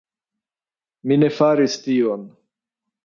Mi ne faris tion.